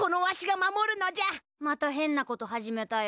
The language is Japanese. またへんなこと始めたよ。